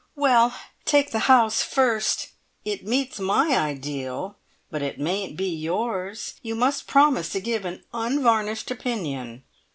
"Well, take the house first. It meets my ideal, but it mayn't be yours. You must promise to give an unvarnished opinion."